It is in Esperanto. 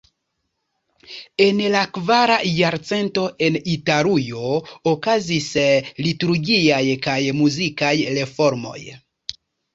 En la kvara jarcento en Italujo okazis liturgiaj kaj muzikaj reformoj.